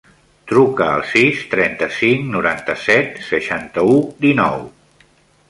Truca al sis, trenta-cinc, noranta-set, seixanta-u, dinou.